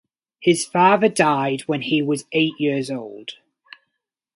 His father died when he was eight years old.